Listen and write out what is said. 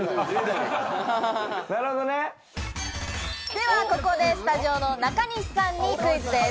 ではここで、スタジオの中西さんにクイズです。